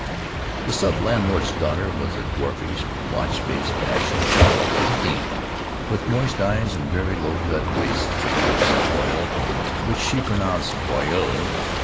The sub landlord's daughter was a dwarfish, blotched faced, passionate child of fifteen, with moist eyes and very low cut waists of coarse voile (which she pronounced "voyle").